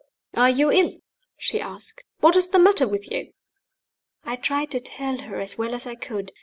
"Are you ill?" she asked. "What is the matter with you?" I tried to tell her, as well as I could.